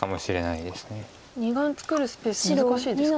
２眼作るスペース難しいですか？